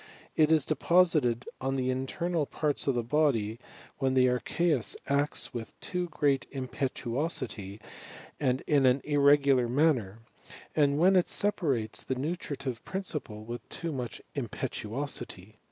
It i deposited on the internal parts of the bodv when tin aichEBUB acts with too great impetuosity and in an irrs gular manner, and when it separates the nutritiv^ principle with too much impetuosity.